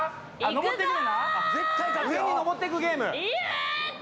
上に登っていくゲーム。